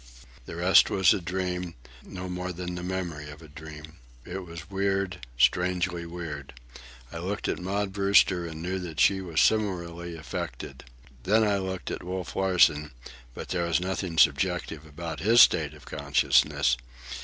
The rest was a dream, no more than the memory of a dream. It was weird, strangely weird. I looked at Maud Brewster and knew that she was similarly affected. Then I looked at Wolf Larsen, but there was nothing subjective about his state of consciousness.